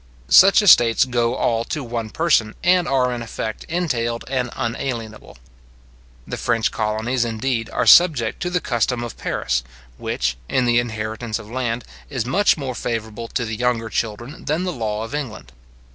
Such estates go all to one person, and are in effect entailed and unalienable. The French colonies, indeed, are subject to the custom of Paris, which, in the inheritance of land, is much more favourable to the younger children than the law of England.